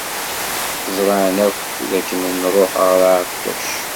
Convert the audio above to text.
Ẓran akk dakken nṛuḥ ɣer Ɛeṭṭuc.